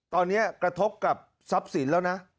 ตอนนี้กระทบกับทรัพย์สินแล้วนะ